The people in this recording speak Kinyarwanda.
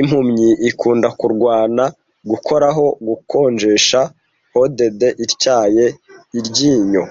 Impumyi ikunda kurwana gukoraho, gukonjesha hooded ityaye- iryinyo !